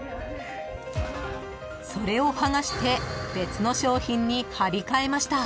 ［それを剥がして別の商品に貼り替えました］